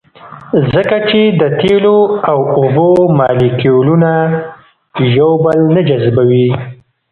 ځکه چې د تیلو او اوبو مالیکولونه یو بل نه جذبوي